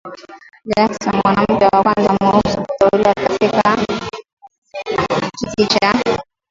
Jackson, mwanamke wa kwanza mweusi kuteuliwa katika kiti cha